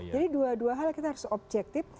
jadi dua dua hal kita harus objektif